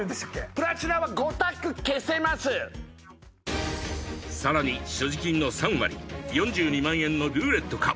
プラチナは５択消せますさらに所持金の３割４２万円のルーレットか？